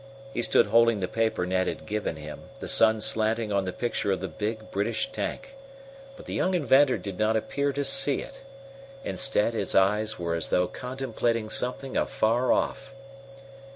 He stood holding the paper Ned had given him, the sun slanting on the picture of the big British tank. But the young inventor did not appear to see it. Instead, his eyes were as though contemplating something afar off.